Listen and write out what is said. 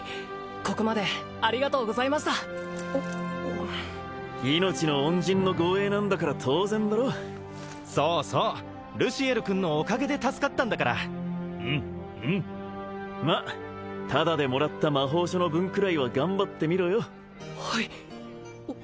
ここまでありがとうございました命の恩人の護衛なんだから当然だろそうそうルシエル君のおかげで助かったんだからうんうんまあタダでもらった魔法書の分くらいは頑張ってみろよはいほ